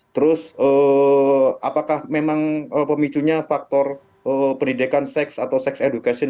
terus apakah memang pemicunya faktor pendidikan seks atau sex education